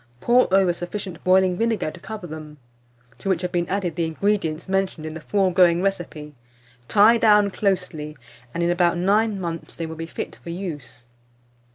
Pour over sufficient boiling vinegar to cover them, to which have been added the ingredients mentioned in the foregoing recipe; tie down closely, and in about 9 months they will be fit for use.